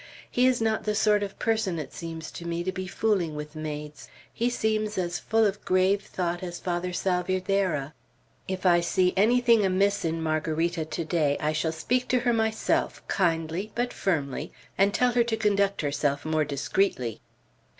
He is not the sort of person, it seems to me, to be fooling with maids. He seems as full of grave thought as Father Salvierderra. If I see anything amiss in Margarita to day, I shall speak to her myself, kindly but firmly, and tell her to conduct herself more discreetly."